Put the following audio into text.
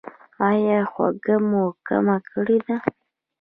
ایا خوږه مو کمه کړې ده؟